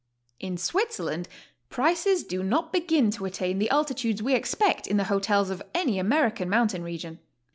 In Switzerland prices do not begin to attain the altitudes we expect in the hotels of any American mountain region.